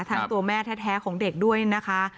ทั้งตัวแม่แท้ของเด็กด้วยนะคะ